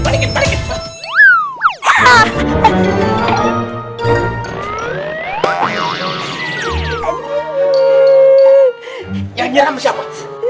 nyanyi sama siapa